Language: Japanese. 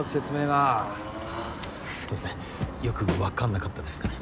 はぁすいませんよくわかんなかったですかね。